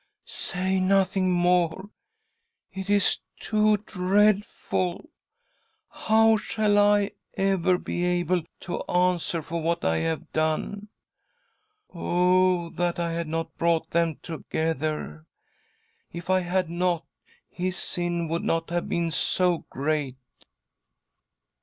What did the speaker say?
Say nothing more ; it is too dreadful 1 How shall I ever be able fo answer for what I have done ? Oh ! that I had not brought them together I If I had not, his sin would not have been so great.''